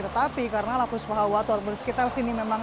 tetapi karena lapus pahawat atau lapus sekitar sini